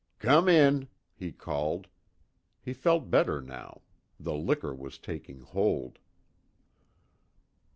"Come in," he called. He felt better now. The liquor was taking hold.